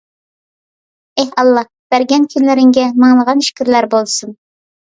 ئېھ ئاللاھ، بەرگەن كۈنلىرىڭگە مىڭلىغان شۈكۈرلەر بولسۇن!